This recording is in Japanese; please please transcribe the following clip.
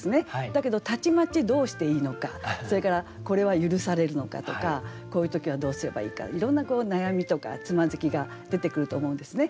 だけどたちまちどうしていいのかそれからこれは許されるのかとかこういう時はどうすればいいかいろんな悩みとかつまずきが出てくると思うんですね。